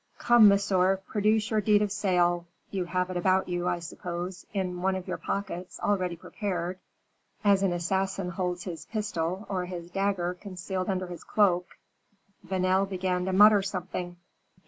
"Come, monsieur, produce your deed of sale, you have it about you, I suppose, in one of your pockets, already prepared, as an assassin holds his pistol or his dagger concealed under his cloak." Vanel began to mutter something.